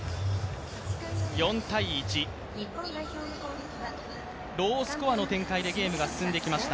４−１、ロースコアの展開でゲームが進んできました。